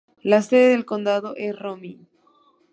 La sede del condado es Romney.